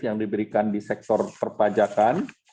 yang diberikan di sektor perpajakan